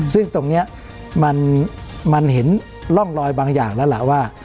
ซึ่งตรงนี้มันเห็นร่องรอยบางอย่างแล้วล่ะว่า